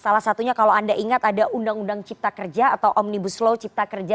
salah satunya kalau anda ingat ada undang undang cipta kerja atau omnibus law cipta kerja